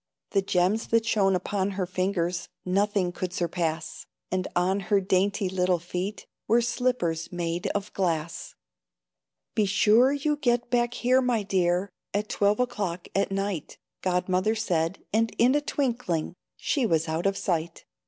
The gems that shone upon her fingers Nothing could surpass; And on her dainty little feet Were slippers made of glass. "Be sure you get back here, my dear, At twelve o'clock at night," Godmother said, and in a twinkling She was out of sight.